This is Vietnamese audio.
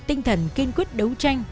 tinh thần kiên quyết đấu tranh